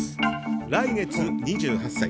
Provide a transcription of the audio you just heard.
来月、２８歳。